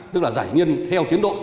tức là giải nghiên theo kiến độ